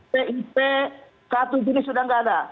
bpip satu juni sudah nggak ada lagi